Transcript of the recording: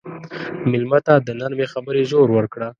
مېلمه ته د نرمې خبرې زور ورکړه.